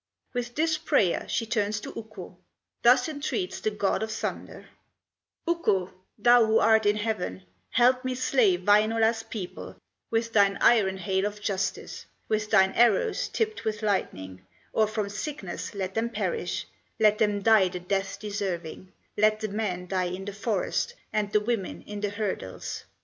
With this prayer she turns to Ukko, Thus entreats the god of thunder: "Ukko, thou who art in heaven, Help me slay Wainola's people With thine iron hail of justice, With thine arrows tipped with lightning, Or from sickness let them perish, Let them die the death deserving; Let the men die in the forest, And the women in the hurdles!"